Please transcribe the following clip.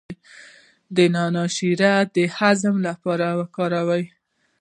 د نعناع شیره د هضم لپاره وکاروئ